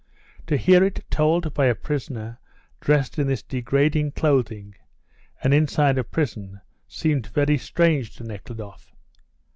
To hear it told by a prisoner dressed in this degrading clothing, and inside a prison, seemed very strange to Nekhludoff.